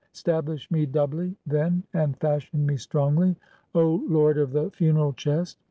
Stablish me doubly, then, "and fashion me strongly, O lord of the funeral chest.